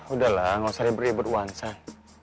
udahlah gak usah ribet ribet wan san